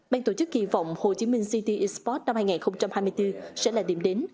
ban tổ chức kỳ vọng hồ chí minh city expot năm hai nghìn hai mươi bốn sẽ là điểm đến